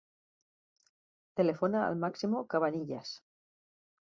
Telefona al Máximo Cabanillas.